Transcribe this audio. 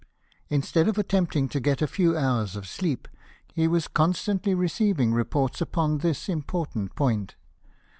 Instead of attempting to get a few hours of sleep, he was constantly receiv ing reports upon this important point.